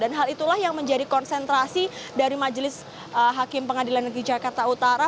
hal itulah yang menjadi konsentrasi dari majelis hakim pengadilan negeri jakarta utara